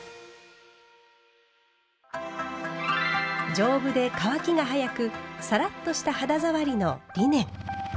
丈夫で乾きが早くサラッとした肌触りのリネン。